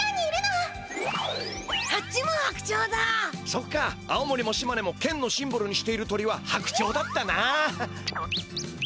そっか青森も島根も県のシンボルにしている鳥は白鳥だったな。